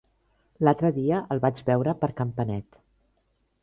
L'altre dia el vaig veure per Campanet.